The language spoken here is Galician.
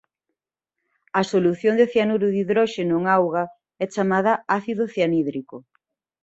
A solución de cianuro de hidróxeno en auga é chamada ácido cianhídrico.